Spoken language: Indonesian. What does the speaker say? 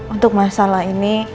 untuk masalah ini